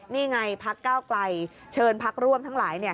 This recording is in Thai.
นี่ไงพระเก้าไกลเชิญพรรฟร่วมทั้งหลาย